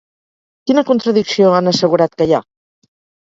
Quina contradicció han assegurat que hi ha?